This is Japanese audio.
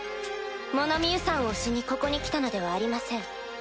物見遊山をしにここに来たのではありません。